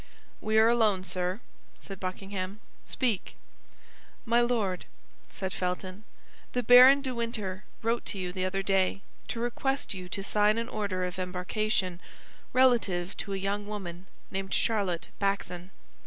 "We are alone, sir," said Buckingham; "speak!" "My Lord," said Felton, "the Baron de Winter wrote to you the other day to request you to sign an order of embarkation relative to a young woman named Charlotte Backson."